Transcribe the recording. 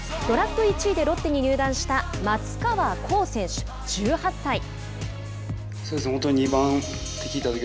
ドラフト１位でロッテに入団した松川虎生選手、１８歳。